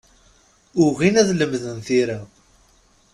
Ugin ad lemden tira.